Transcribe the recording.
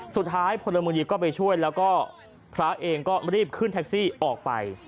สุดท้ายพระเลยคุณก็ไปช่วยแล้วก็พระเองก็รีบขึ้นแท็กซี่ออกไป